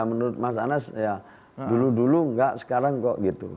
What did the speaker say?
menurut mas anas ya dulu dulu enggak sekarang kok gitu